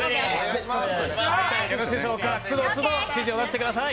つどつど指示を出してください。